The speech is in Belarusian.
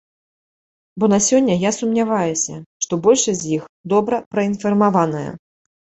Бо на сёння я сумняваюся, што большасць з іх добра праінфармаваная.